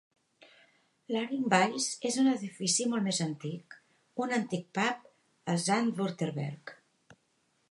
L'"Haringbuys" és un edifici molt més antic, un antic pub al Zandvoorterweg.